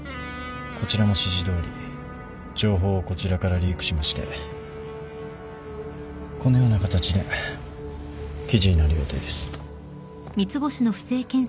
こちらも指示どおり情報をこちらからリークしましてこのような形で記事になる予定です。